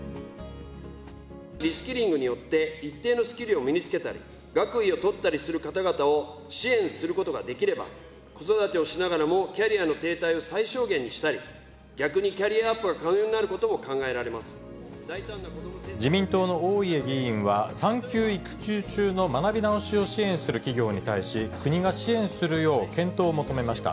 リスキリングによって、一定のスキルを身につけたり、学位を取ったりする方々を支援することができれば、子育てをしながらも、キャリアの停滞を最小限にしたり、逆にキャリアアップが可能になる自民党の大家議員は、産休・育休中の学び直しを支援する企業に対し、国が支援するよう検討を求めました。